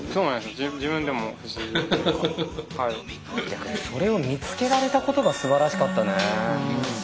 逆にそれを見つけられたことがすばらしかったね。